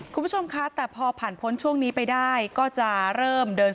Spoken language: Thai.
คุณผู้ชมคะแต่พอผ่านพ้นช่วงนี้ไปได้ก็จะเริ่มเดิน